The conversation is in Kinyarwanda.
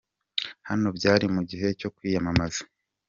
Hano byari mu gihe cyo kwiyamamaza.